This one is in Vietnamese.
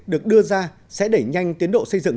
được đưa ra sẽ đẩy nhanh tiến độ xây dựng